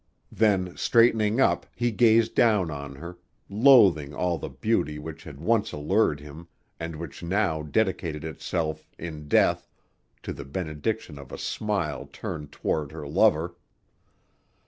Then straightening up, he gazed down on her, loathing all the beauty which had once allured him and which now dedicated itself, in death, to the benediction of a smile turned toward her lover.